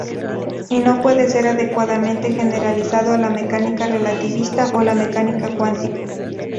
Y no puede ser adecuadamente generalizado a la mecánica relativista o la mecánica cuántica.